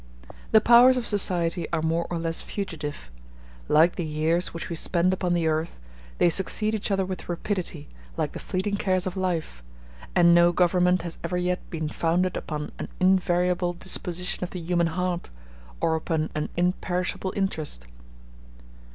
The powers of society are more or less fugitive, like the years which we spend upon the earth; they succeed each other with rapidity, like the fleeting cares of life; and no government has ever yet been founded upon an invariable disposition of the human heart, or upon an imperishable interest.